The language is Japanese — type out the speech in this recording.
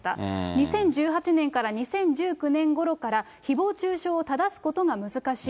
２０１８年から２０１９年ごろから、ひぼう中傷をただすことが難しい。